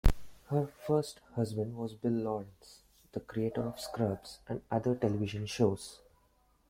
Her first husband was Bill Lawrence, the creator of "Scrubs" and other television shows.